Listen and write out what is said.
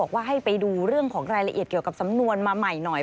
ว่าให้ไปดูเรื่องของรายละเอียดเกี่ยวกับสำนวนมาใหม่หน่อย